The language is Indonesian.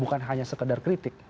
bukan hanya sekedar kritik